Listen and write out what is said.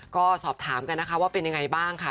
ก็สอบถามกันนะคะว่าเป็นยังไงบ้างค่ะ